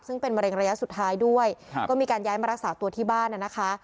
ซึ่งเป็นมะเร็งระยะสุดท้ายด้วยก็มีการย้ายมารักษาตัวที่บ้านน่ะนะคะ